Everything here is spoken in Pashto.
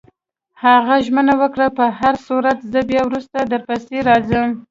هغه ژمنه وکړه: په هرصورت، زه بیا وروسته درپسې راځم.